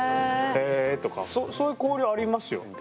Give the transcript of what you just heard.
へえとかそういう交流ありますよ。